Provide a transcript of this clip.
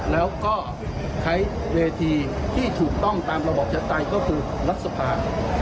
แล้วก็ใช้เวทีที่ถูกต้องตามระบอบชะไตยก็คือรัฐสภา